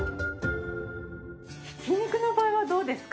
ひき肉の場合はどうですか？